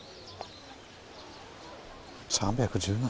３１７。